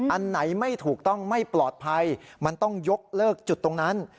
อันไหนไม่ถูกต้องไม่ปลอดภัยมันต้องยกเลิกจุดตรงนั้น